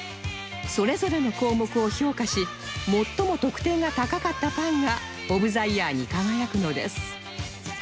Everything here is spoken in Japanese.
それぞれの項目を評価し最も得点が高かったパンがオブ・ザ・イヤーに輝くのです